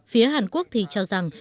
phía hàn quốc thì cho rằng